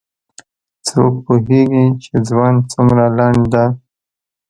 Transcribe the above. څوک پوهیږي چې ژوند څومره لنډ ده